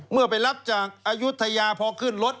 เมื่อไปรับจากอายุทยาพอขึ้นรถ